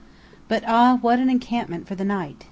But ah, what an encampment for the night!